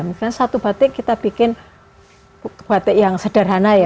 misalnya satu batik kita bikin batik yang sederhana ya